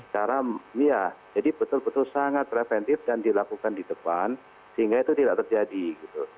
karena ya jadi betul betul sangat preventif dan dilakukan di depan sehingga itu tidak terjadi gitu